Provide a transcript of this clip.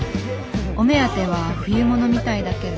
お目当ては冬物みたいだけど。